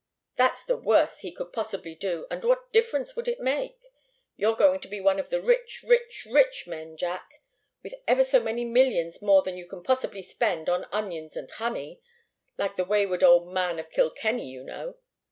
That's the worst he could possibly do, and what difference would it make? You're going to be one of the rich, rich, rich men, Jack with ever so many millions more than you can possibly spend on onions and honey like the wayward old man of Kilkenny, you know.